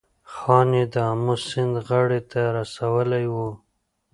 ځان یې د آمو سیند غاړې ته رسولی و.